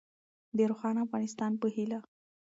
د روښانه افغانستان په هیله.